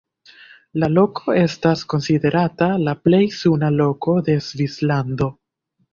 La loko estas konsiderata la plej suna loko de Svislando.